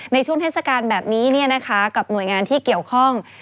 ในช่วงเทศกาลแบบนี้กับหน่วยงานที่เกี่ยวข้อง